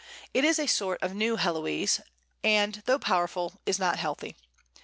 It is a sort of New Héloïse, and, though powerful, is not healthy.